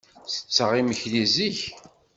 Ttetteɣ imekli zik.